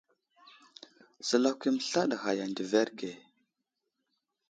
Səlakw i məslaɗ ghay a ndəverge.